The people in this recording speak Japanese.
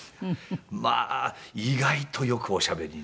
まあ意外とよくおしゃべりになる。